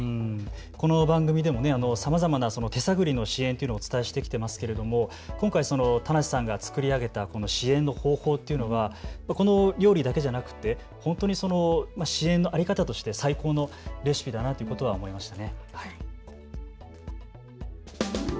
この番組でもさまざまな手探りの支援をお伝えしていますけれども今回、棚瀬さんが作り上げた支援の方法というのはこの料理だけじゃなくて支援の在り方として最高のレシピだなと思いました。